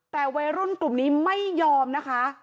แต่วัยรุ่นกลุ่มนี้ไม่ยอมนะคะ